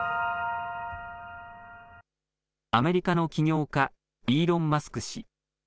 アメリカの起業家、イーロン・マスク氏。